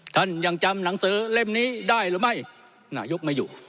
ท่านยังจำหนังสือเล่มนี้ได้หรือไม่นายกไม่อยู่